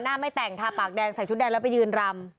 ไม่แต่งทาปากแดงใส่ชุดแดงแล้วไปยืนรำ